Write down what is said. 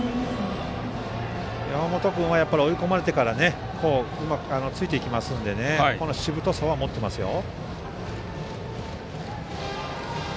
山本君は追い込まれてからうまくついていきますのでしぶとさは持っていますよ。